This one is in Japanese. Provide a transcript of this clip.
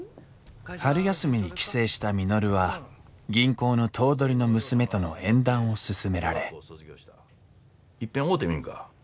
春休みに帰省した稔は銀行の頭取の娘との縁談を勧められいっぺん会うてみんか？